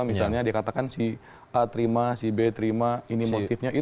misalnya dikatakan si a terima si b terima ini motifnya ini